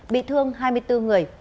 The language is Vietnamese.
bị thương hai mươi bốn người